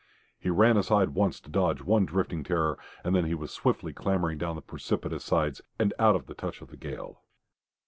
He ran aside once to dodge one drifting terror, and then he was swiftly clambering down the precipitous sides, and out of the touch of the gale.